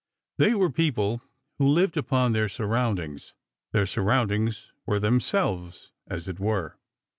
They were people who lived upon their surroundings ; their surroundings were themselves, as it were.